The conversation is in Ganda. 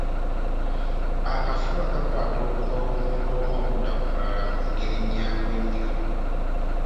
Akafuba kakwata okuva ku muntu omu okudda ku mulala mu ngeri nnyangu nnyo.